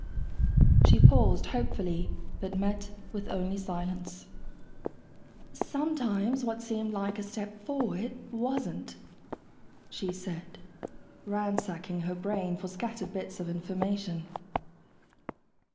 She paused hopefully, but met with only silence. "Sometimes what seemed like a step forward wasn't," she said, ransacking her brain for scattered bits of information.